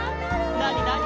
なになに？